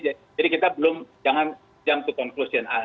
jadi kita belum jangan jump to conclusion